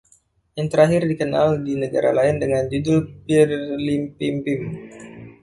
Yang terakhir dikenal di negara lain dengan judul "Pirlimpimpim".